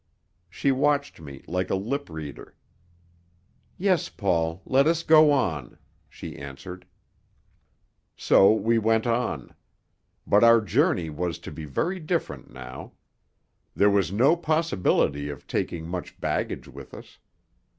She watched me like a lip reader. "Yes, Paul; let us go on," she answered. So we went on. But our journey was to be very different now. There was no possibility of taking much baggage with us.